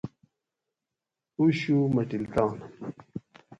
اڛو مٹلتان